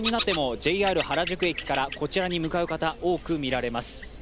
ＪＲ原宿駅からこちらに向かう方、多く見られます